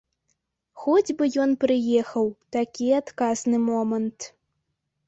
Хоць бы ён прыехаў, такі адказны момант.